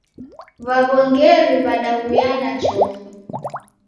W'aw'ongeri w'adaghuyana chofi.